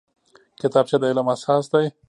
کتابچه د علم اساس دی